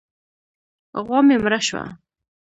غوا مې مړه شوه.